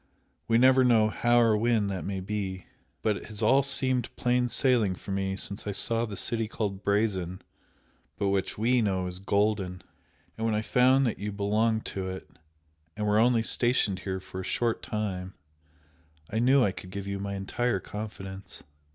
We never know how or when that may be. But it has all seemed plain sailing for me since I saw the city called 'Brazen' but which WE know is Golden! and when I found that you belonged to it, and were only stationed here for a short time, I knew I could give you my entire confidence.